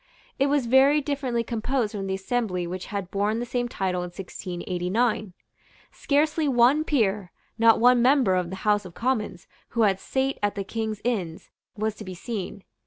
It was very differently composed from the assembly which had borne the same title in 1689. Scarcely one peer, not one member of the House of Commons, who had sate at the King's Inns, was to be seen.